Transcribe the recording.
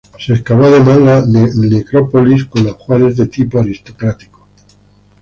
Se excavó además, la necrópolis con ajuares de tipo aristocrático.